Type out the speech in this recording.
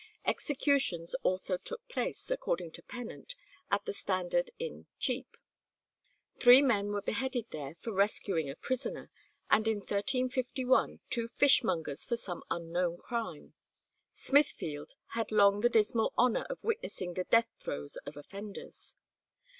Executions also took place, according to Pennant, at the Standard in Chepe. Three men were beheaded there for rescuing a prisoner, and in 1351 two fishmongers for some unknown crime. Smithfield had long the dismal honour of witnessing the death throes of offenders.